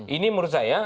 ini menurut saya